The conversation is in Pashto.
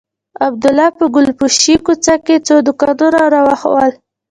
عبدالله په ګلفروشۍ کوڅه کښې څو دوکانونه راوښوول.